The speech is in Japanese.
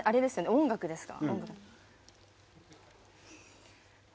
音楽ですか？